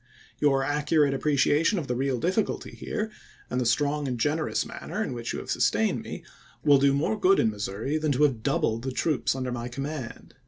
Your accurate appreciation of the real difficulty here, and gchofleid the strong and generous manner in which you have ocS^ise": sustained me, will do more good in Missouri than voi. xxii., '^ Part II., to have doubled the troops under my command."